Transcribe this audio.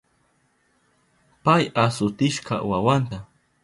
Pay asutishka wawanta.